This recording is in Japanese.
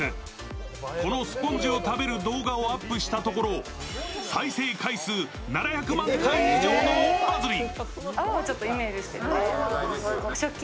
このスポンジを食べる動画をアップしたところ再生回数７００万回以上の大バズり。